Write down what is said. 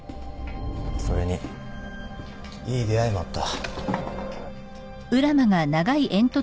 それにいい出会いもあった。